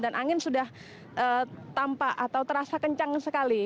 dan angin sudah tampak atau terasa kencang sekali